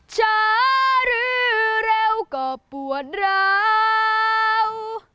จารื่อเร็วก็ปวดร้าว